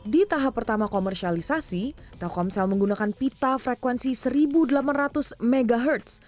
di tahap pertama komersialisasi telkomsel menggunakan pita frekuensi seribu delapan ratus mhz